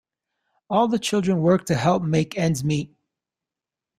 All the children worked to help make ends meet.